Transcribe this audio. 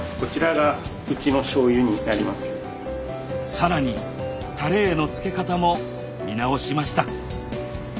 更にタレへの漬け方も見直しました。